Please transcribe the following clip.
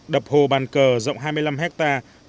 đập hồ bàn cờ rộng hai mươi năm hectare